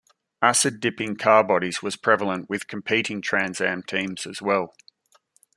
Acid-dipping car bodies was prevalent with competing Trans-Am teams as well.